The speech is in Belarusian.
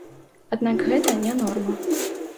Аднак гэта не норма.